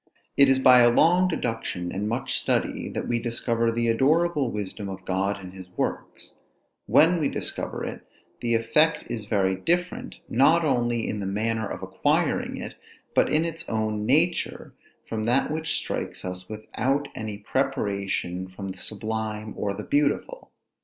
It is by a long deduction, and much study, that we discover the adorable wisdom of God in his works: when we discover it the effect is very different, not only in the manner of acquiring it, but in its own nature, from that which strikes us without any preparation from the sublime or the beautiful.